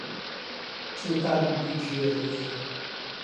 就大陸地區而言